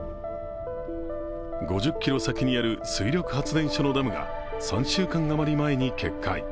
５０ｋｍ先にある水力発電所のダムが３週間余り前に決壊。